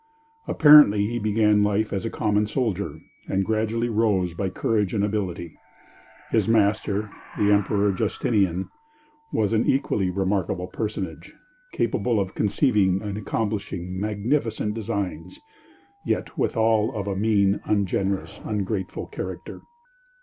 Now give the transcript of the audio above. Apparently he began life as a common soldier, and gradually rose by courage and ability. His master, the Emperor Justinian, was an equally remarkable personage, capable of conceiving and accomplishing magnificent designs, yet withal of a mean, ungenerous, ungrateful character.